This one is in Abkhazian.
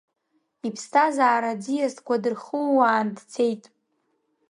Иԥсҭазаара аӡиасқәа дырхууан дцеит…